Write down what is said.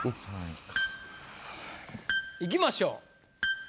いきましょう。